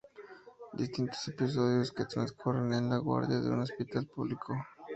Distintos episodios que transcurren en la guardia de un hospital público.